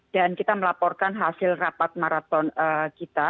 dan kita melaporkan hasil rapat maraton kita